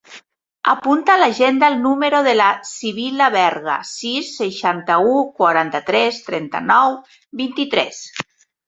Apunta a l'agenda el número de la Sibil·la Berga: sis, seixanta-u, quaranta-tres, trenta-nou, vint-i-tres.